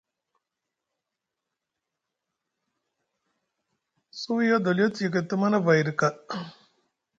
Suwi adoliyo te yikiti manavay ɗa kaa.